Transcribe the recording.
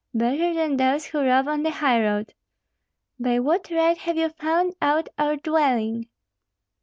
"Better than those who rob on the highroad." "By what right have you found out our dwelling?"